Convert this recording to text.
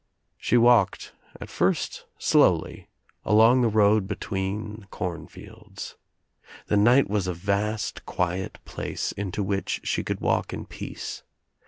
She walked at first slowly along the road between 466 THE TRIUMPH OF THE EGG com fields. The night was a vast quiet place into which she could walk in peace.